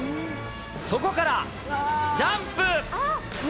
そこからジャンプ。